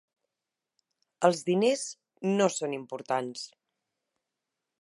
Els diners no són importants.